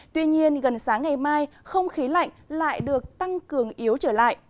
tuy nhiên gần sáng ngày mai không khí lạnh lại được tăng cường yếu trở lại